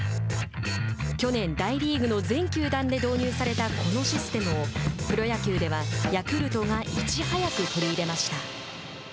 去年、大リーグの全球団で導入されたこのシステムをプロ野球ではヤクルトがいち早く取り入れました。